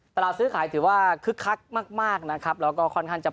ตลาดซื้อขายถือว่าคึกคักมากมากนะครับแล้วก็ค่อนข้างจะ